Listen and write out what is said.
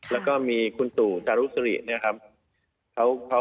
แล้วก็มีคุณตู่จารุสริเนี่ยครับ